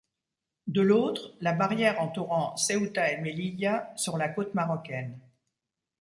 De l’autre, la barrière entourant Ceuta et Melilla sur la côte marocaine.